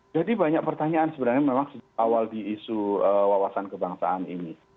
jadi banyak pertanyaan sebenarnya memang awal di isu wawasan kebangsaan ini